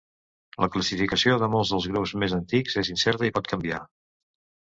La classificació de molts dels grups més antics és incerta i pot canviar.